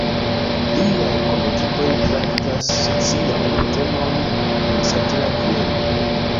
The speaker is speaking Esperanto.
Liaj komedioj traktas sociajn temojn en satira vejno.